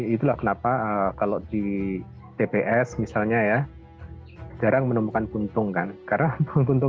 ini mencapai sembilan belas enam miliar meter kubik per tahun